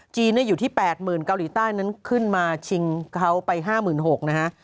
อยู่ที่๘๐๐๐เกาหลีใต้นั้นขึ้นมาชิงเขาไป๕๖๐๐นะฮะ